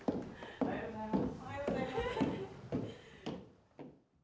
おはようございます。